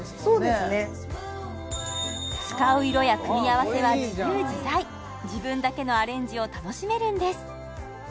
使う色や組み合わせは自由自在自分だけのアレンジを楽しめるんです